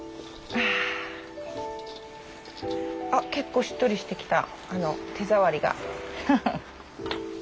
あ結構しっとりしてきた手触りが。